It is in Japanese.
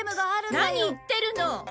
何言ってるの！